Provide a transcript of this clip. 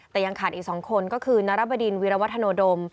แต่ยังขาดอีก๒คนก็คือนรบดินวิรวัฒโนดม